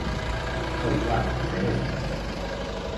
Au, va, segueix-me.